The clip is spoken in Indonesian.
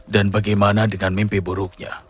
dan bagaimana dengan mimpi buruknya